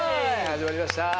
始まりました。